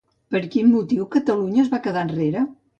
Per quin motiu Catalunya es va quedar enrere?